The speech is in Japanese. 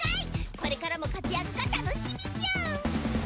これからも活躍が楽しみチュン！